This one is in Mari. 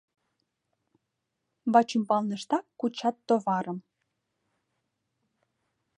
Вачӱмбалныштак кучат товарым.